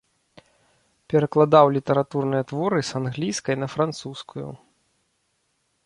Перакладаў літаратурныя творы з англійскай на французскую.